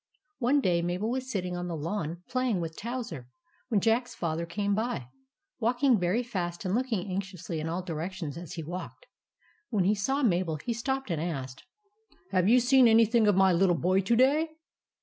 One day Mabel was sitting on the lawn playing with Towser, when Jack's Father came by, walk ing very fast and looking anxiously in all directions as he walked. When he saw Mabel, he stopped and asked :—" Have you seen anything of my little boy to day